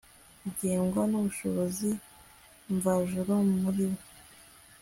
bigengwa nubushobozi mvajuru muri we